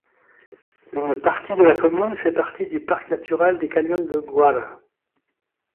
Une partie de la commune fait partie du Parc Naturel des Canyons de Guara.